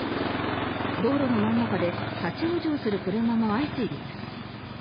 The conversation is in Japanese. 道路の真ん中で立ち往生する車も相次いでいます。